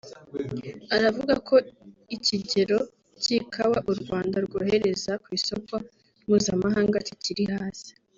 aravuga ko ikigero cy’ikawa u Rwanda rwohereza ku isoko mpuzamahanga kikiri hasi